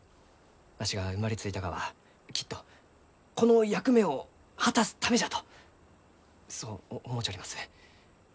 わしが生まれついたがはきっとこの役目を果たすためじゃとそう思うちょります。